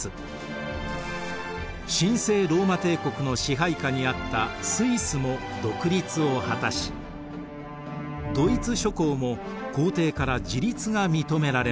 神聖ローマ帝国の支配下にあったスイスも独立を果たしドイツ諸侯も皇帝から自立が認められました。